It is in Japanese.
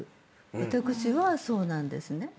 私はそうなんですね。